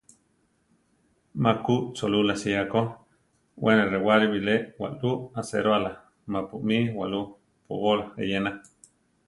Má ku Cholula sía ko, we ne rewále bilé waʼlú aséroala ma-pu mí waʼlú póbola eyéne.